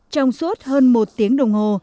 trong suốt hơn một tiếng đồng hồ